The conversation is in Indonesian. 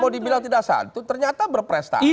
kalau dibilang tidak santun ternyata berprestasi